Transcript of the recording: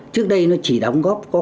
trước đây nó chỉ đóng góp